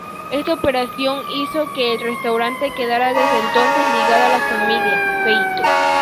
Esta operación hizo que el restaurante quedara desde entonces ligado a la familia "Feito".